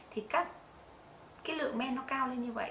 thì các lượng men nó cao lên như vậy